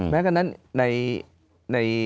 แม้กันนั้นใน